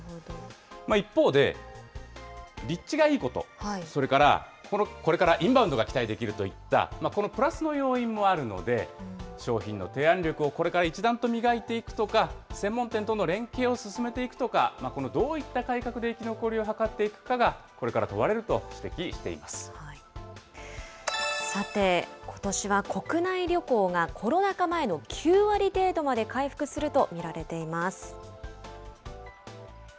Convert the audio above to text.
一方で、立地がいいこと、それからこれからインバウンドが期待できるといった、このプラスの要因もあるので、商品の提案力をこれから一段と磨いていくとか、専門店との連携を進めていくとか、どういった改革で生き残りを図っていくかが、さて、ことしは国内旅行がコロナ禍前の９割程度まで回復すると見られています。